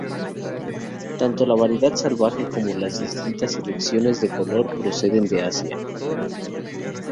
Tanto la variedad salvaje como las distintas selecciones de color proceden de Asia.